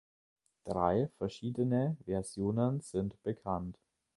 Drei verschiedene Versionen sind bekannt.